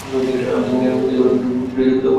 আমি তোমাকে খুঁজতে কোথাও বাকি রাখিনি।